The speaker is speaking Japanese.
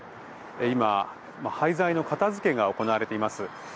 今、廃材の片付けが行われています。